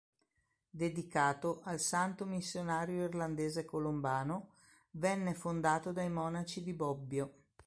Dedicato al santo missionario irlandese Colombano, venne fondato dai monaci di Bobbio.